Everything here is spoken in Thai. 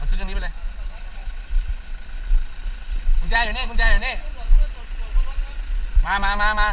เอาเครื่องนี้ไปเลยคุณแจ้อยู่เนี้ยคุณแจ้อยู่เนี้ยมามามา